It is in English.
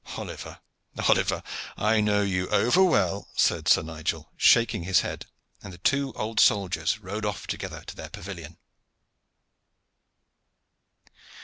"Oliver, Oliver, I know you over well," said Sir Nigel, shaking his head, and the two old soldiers rode off together to their pavilion.